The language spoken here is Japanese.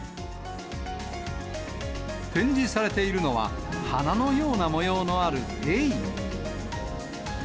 展示されているのは、花のような模様のあるエイ。